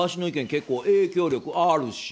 結構影響力あるし！